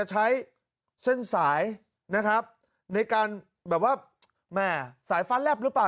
ใช้เส้นสายนะครับในการแบบว่าแม่สายฟ้าแลบหรือเปล่า